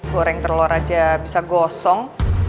goreng telur aja bisa gosong